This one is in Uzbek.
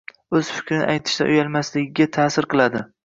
o‘z fikrini aytishdan uyalmasligiga ta’sir qiladi.